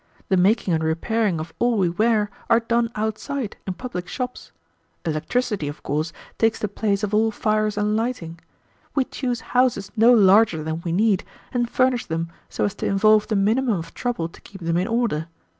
The making and repairing of all we wear are done outside in public shops. Electricity, of course, takes the place of all fires and lighting. We choose houses no larger than we need, and furnish them so as to involve the minimum of trouble to keep them in order.